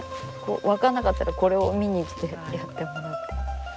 分かんなかったらこれを見にきてやってもらって。